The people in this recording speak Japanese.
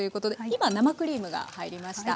今生クリームが入りました。